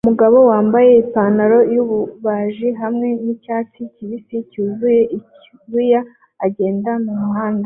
Umugabo wambaye ipantaro yububaji hamwe nicyatsi kibisi cyuzuye icyuya agenda mumuhanda